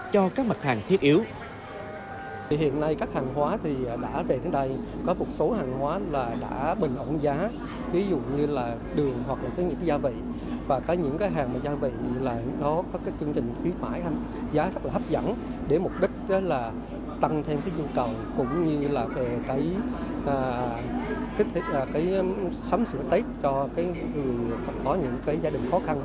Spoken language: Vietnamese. cho các mặt hàng thiết yếu